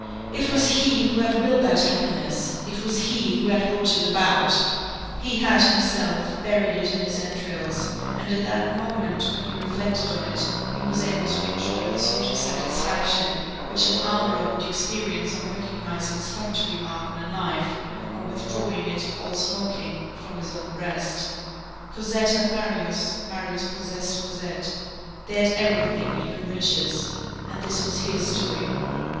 It was he who had willed that happiness, it was he who had brought it about; he had, himself, buried it in his entrails, and at that moment, when he reflected on it, he was able to enjoy the sort of satisfaction which an armorer would experience on recognizing his factory mark on a knife, on withdrawing it, all smoking, from his own breast. Cosette had Marius, Marius possessed Cosette. They had everything, even riches. And this was his doing.